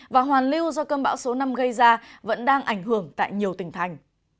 và hoàn lưu do cơn bão số năm gây ra vẫn đang ảnh hưởng tại nhiều tỉnh thành